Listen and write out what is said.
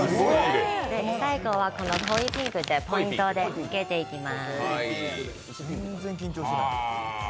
最後は濃いピンクでポイントでつけていきます。